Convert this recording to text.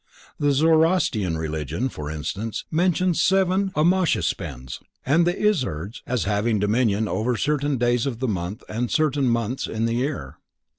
The Zoroastrian Religion, for instance, mentions Seven Ameshaspends and the Izzards as having dominion over certain days in the month and certain months in the year.